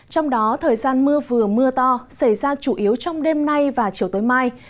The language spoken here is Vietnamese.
trong đó thời gian mưa vừa mưa to xảy ra chủ yếu trong đêm nay và chiều tối mai